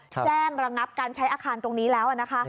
ระงับการใช้อาคารตรงนี้แล้วนะคะ